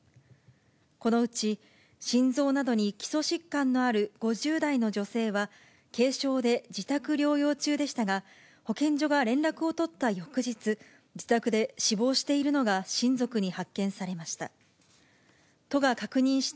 このうち、心臓などに基礎疾患のある５０代の女性は、軽症で自宅療養中でしたが、保健所が連絡を取った翌日、自宅で死亡しているのが親族に発見されました。